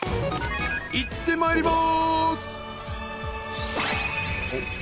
いってまいります！